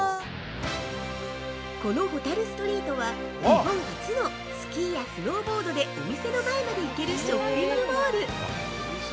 ◆このホタルストリートは日本初のスキーやスノーボードでお店の前まで行けるショッピングモール。